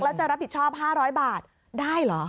แล้วจะรับผิดชอบ๕๐๐บาทได้เหรอ